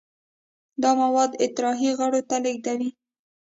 دا مواد اطراحي غړو ته لیږدوي.